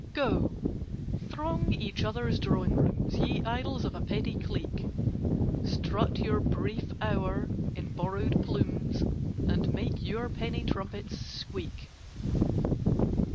Go, throng each other's drawing rooms, Ye idols of a petty clique: Strut your brief hour in borrowed plumes, And make your penny trumpets squeak.